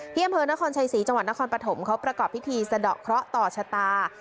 อำเภอนครชัยศรีจังหวัดนครปฐมเขาประกอบพิธีสะดอกเคราะห์ต่อชะตา